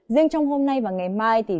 riêng trong hôm nay và ngày mai